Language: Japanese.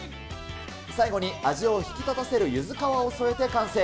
最後に味を引き立たせるゆず皮を添えて完成。